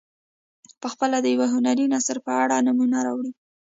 پخپله د یو هنري نثر په اړه نمونه راوړي.